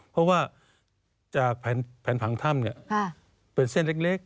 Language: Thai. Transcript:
เพราะว่าจากแผนผังถ้ำเป็นเส้นเล็ก